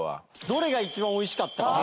どれが一番美味しかったか。